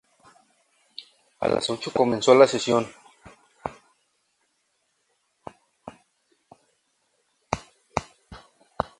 A las ocho comenzó la sesión.